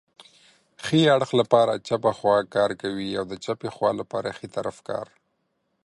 ښي اړخ لپاره چپه خواکار کوي او د چپې خوا لپاره ښی طرف کار